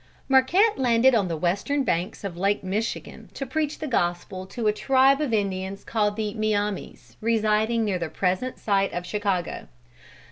Marquette landed on the western banks of Lake Michigan to preach the gospel to a tribe of Indians called the Miames, residing near the present site of Chicago.